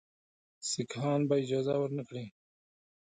سیکهان به اجازه ورنه کړي.